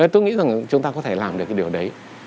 tôi nghĩ rằng chúng ta có thể làm được cái điều đấy